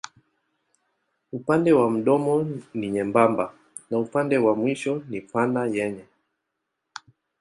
Upande wa mdomo ni nyembamba na upande wa mwisho ni pana yenye.